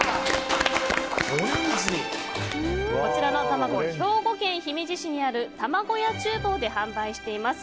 こちらの卵は兵庫県姫路市にあるたまごや厨房で販売しています。